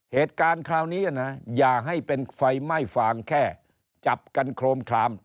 เหตุการณ์คราวนี้นะอย่าให้เป็นไฟไหม้ฟางแค่จับกันโครมคลาม